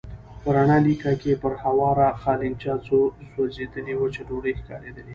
په رڼه لېکه کې پر هواره قالينچه څو سوځېدلې وچې ډوډۍ ښکارېدلې.